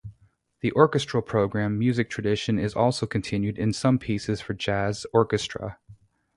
The orchestral program music tradition is also continued in some pieces for jazz orchestra.